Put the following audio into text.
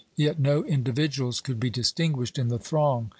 Yet no individuals could be distinguished in the throng.